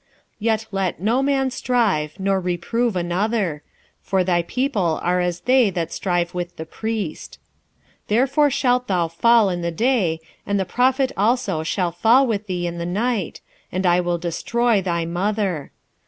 4:4 Yet let no man strive, nor reprove another: for thy people are as they that strive with the priest. 4:5 Therefore shalt thou fall in the day, and the prophet also shall fall with thee in the night, and I will destroy thy mother.